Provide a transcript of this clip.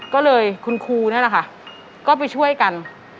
ก็เลยคุณครูนี่แหละค่ะก็ไปช่วยกัน